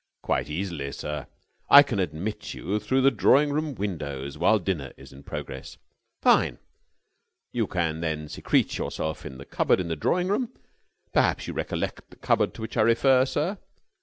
"Quite easily, sir. I can admit you through the drawing room windows while dinner is in progress." "Fine!" "You can then secrete yourself in the cupboard in the drawing room. Perhaps you recollect the cupboard to which I refer, sir?"